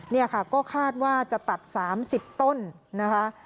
นี่ค่ะก็คาดว่าจะตัด๓๐ต้นนะคะ